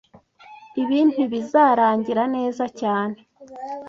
Ibi ntibizarangira neza cyane